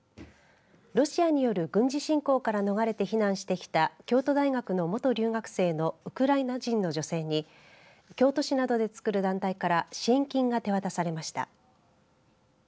ロシアによる軍事侵攻から逃れて避難してきた京都大学の元留学生のウクライナ人の女性に京都市などでつくる団体から支援金が手渡されました。